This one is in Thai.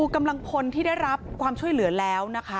กำลังพลที่ได้รับความช่วยเหลือแล้วนะคะ